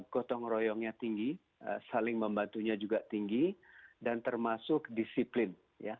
gotong royongnya tinggi saling membantunya juga tinggi dan termasuk disiplin